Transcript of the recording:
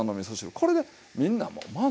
これでみんなもう満足。